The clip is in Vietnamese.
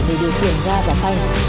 để điều kiện ga và phanh